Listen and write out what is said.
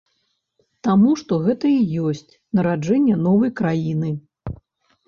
Таму што гэта і ёсць нараджэнне новай краіны.